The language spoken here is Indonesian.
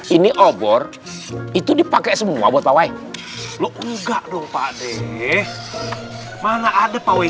ini obor itu dipakai semua buat pawai